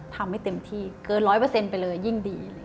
ทำให้เต็มที่เกิน๑๐๐ไปเลยยิ่งดี